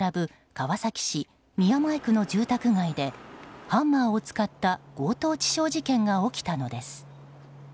川崎市宮前区の住宅街でハンマーを使った強盗致傷事件が起きたのです。